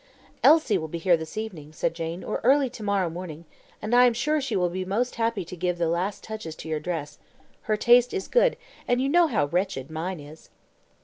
"Elsie will be here this evening," said Jane, "or early to morrow morning; and I am sure she will be most happy to give the last touches to your dress. Her taste is good, and you know how wretched mine is."